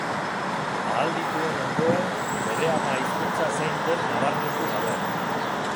Ahal dituen ondoen, bere ama-hizkuntza zein den nabarmendu gabe.